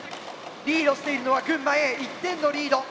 リードしているのは群馬Ａ１点のリード。